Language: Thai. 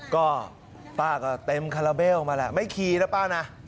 ก็ป้าก็เต็มคาราเบลมาแหละไม่ขี่นะป้านะ